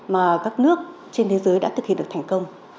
mà các nước trên thế giới đã thực hiện được thành công